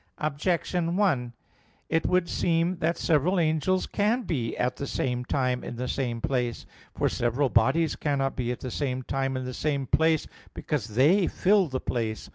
Objection 1: It would seem that several angels can be at the same time in the same place. For several bodies cannot be at the same time in the same place, because they fill the place.